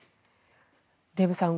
デーブさん